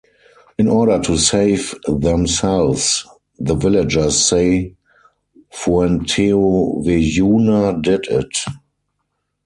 In order to save themselves, the villagers say "Fuenteovejuna did it".